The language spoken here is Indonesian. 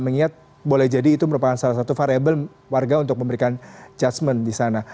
mengingat boleh jadi itu merupakan salah satu variable warga untuk memberikan judgement di sana